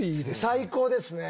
最高ですね。